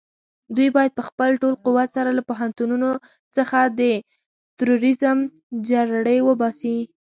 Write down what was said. دوی بايد په خپل ټول قوت سره له پوهنتونونو څخه د تروريزم جرړې وباسي.